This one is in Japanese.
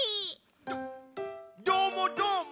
どーもどーも？